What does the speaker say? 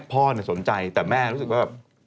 ป่าแต่สนใจแต่แม่รู้สึกว่าแบบ